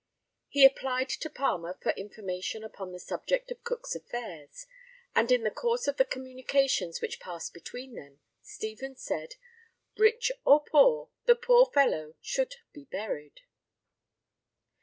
He applied to Palmer for information upon the subject of Cook's affairs; and in the course of the communications which passed between them, Stevens said, "rich or poor, the poor fellow should be buried."